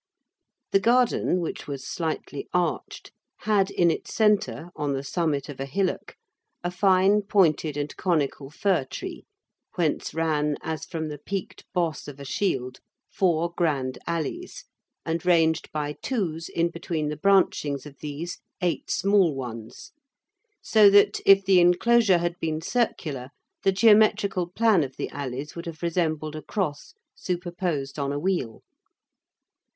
The garden, which was slightly arched, had in its centre, on the summit of a hillock, a fine pointed and conical fir tree, whence ran, as from the peaked boss of a shield, four grand alleys, and, ranged by twos in between the branchings of these, eight small ones, so that, if the enclosure had been circular, the geometrical plan of the alleys would have resembled a cross superposed on a wheel.